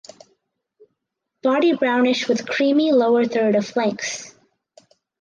Body brownish with creamy lower third of flanks.